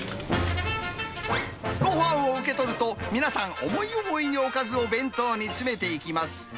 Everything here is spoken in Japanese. ごはんを受け取ると、皆さん、思い思いにおかずを弁当に詰めていきます。